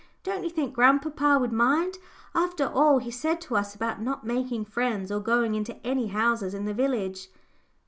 Don't you think grandpapa would mind, after all he said to us about not making friends, or going into any houses in the village?"